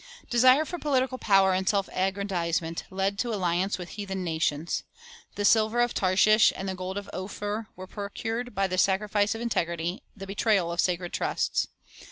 Desire for political power and self aggrandizement led to alliance with heathen nations. The silver of Tarshish and the gold of Ophir were pro cured by the sacrifice of integrity, the betrayal of sacred trusts.